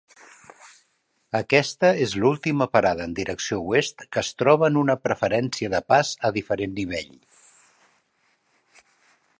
Aquesta és l'última parada en direcció oest que es troba en una preferència de pas a diferent nivell.